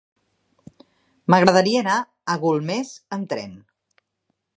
M'agradaria anar a Golmés amb tren.